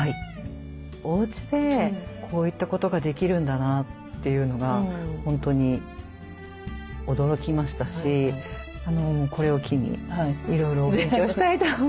おうちでこういったことができるんだなというのが本当に驚きましたしこれを機にいろいろ勉強をしたいと思います。